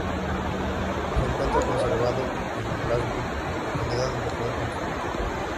Se encuentra conservado en Glasgow, localidad donde fue construido.